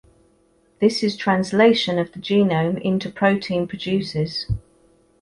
This is translation of the genome into protein produces.